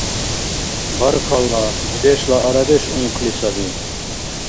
Баркалла, дудешла арадеш ункъли саби?